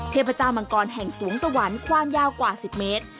เทพเจ้ามังกรแห่งสวงสวรรค์ความยาวกว่า๑๐เมตร